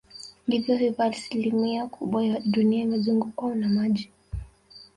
Ndivyo hivyo asilimia kubwa ya dunia imezungukwa na maji